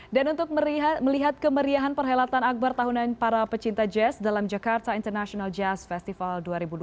dan untuk melihat kemeriahan perhelatan akbar tahunan para pecinta jazz dalam jakarta international jazz festival dua ribu dua puluh